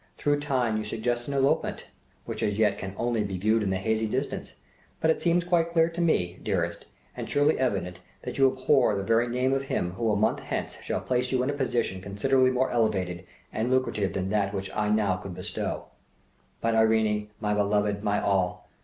Through time you suggest an elopement, which as yet can only be viewed in the hazy distance; but it seems quite clear to me, dearest, and surely evident, that you abhor the very name of him who a month hence shall place you in a position considerably more elevated and lucrative than that which I now could bestow. But Irene, my beloved, my all!